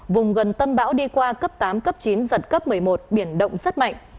vùng gần tâm bão đi qua cấp tám cấp chín giật cấp một mươi một biển động rất mạnh